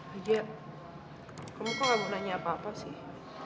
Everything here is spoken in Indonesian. hija kamu kok gak mau nanya apa apa sih